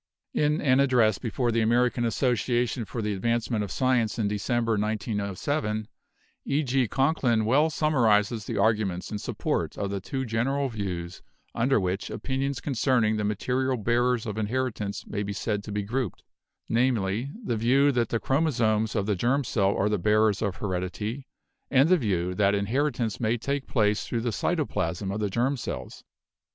In an address before the American Association for the Advancement of Science in December, 1907, E. G. Conklin well summarizes the argu ments in support of the two general views under which opinions concerning the material bearers of inheritance may be said to be grouped, namely, the view that the chromosomes of the germ cell are the bearers of heredity and the view that inheritance may take place through the cytoplasm of the germ cells.